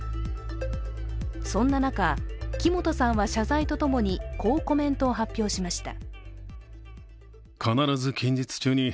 そんな中、木本さんは謝罪と共にこうコメントを発表しました。